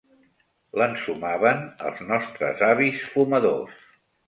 L'ensumaven els nostres avis fumadors.